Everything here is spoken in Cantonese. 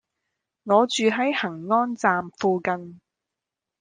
我住喺恆安站附近